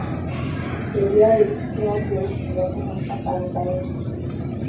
Idadi yao ilifikia watu elfu thelathini mpaka arobaini